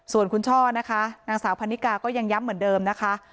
ส่วนคุณช่อนะคะนางสาวพันนิกาก็ยังย้ำเหมือนเดิมนะคะ